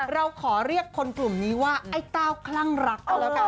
เราขอเรียกคนกลุ่มนี้ว่าไอ้เต้าคลั่งรัก